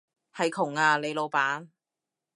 係窮啊，你老闆